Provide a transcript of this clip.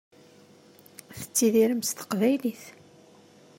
Tettidirem s teqbaylit.